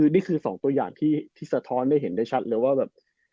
นี่คือ๒ตัวอย่างที่สะท้อนได้เห็นได้ชัดเลยว่าแบบ